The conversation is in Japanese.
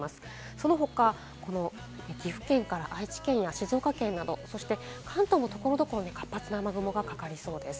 その他、岐阜県から愛知県や静岡県など、そして関東も所々に活発な雨雲がかかりそうです。